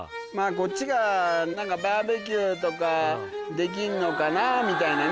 こっちが何かバーベキューとかできんのかなみたいなね。